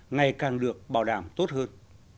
ngày càng được bảo đảm tốt hơn